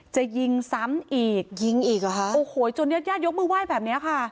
จะยิงซ้ำอีกยิงอีกหรอคะโอ้โหจนญาติญาติยกมือไหว้แบบเนี้ยค่ะ